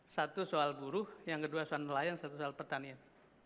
satu soal buruh yang kedua soal nelayan satu soal pertanian